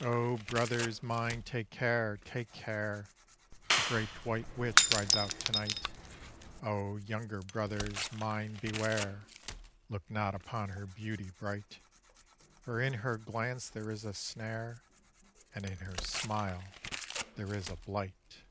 O, brothers mine, take care! Take care! The great white witch rides out to night. O, younger brothers mine, beware! Look not upon her beauty bright; For in her glance there is a snare, And in her smile there is a blight.